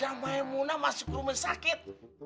ada maimunah masuk rumah sakit